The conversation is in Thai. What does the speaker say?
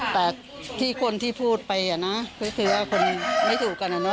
แต่ที่คนที่พูดไปอ่ะน่ะคือคือคนไม่ถูกกันอ่ะน่ะ